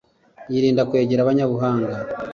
yirinda kwegera abanyabuhanga